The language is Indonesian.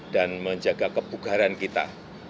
dan menjaga kebugaran kita